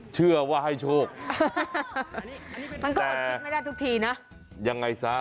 เชื่อว่าให้โชคมันก็อดคิดไม่ได้ทุกทีนะยังไงซะ